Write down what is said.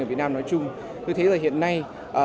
ở việt nam nói chung tôi thấy là hiện nay